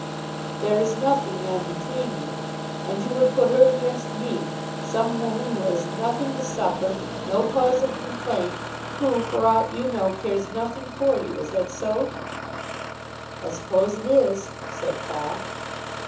"There is nothing, then, between you? And you would put her against me, some woman who has nothing to suffer, no cause of complaint, who, for aught you know, cares nothing for you. Is that so?" "I suppose it is," said Paul.